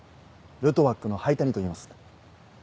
ルトワックの灰谷といいます。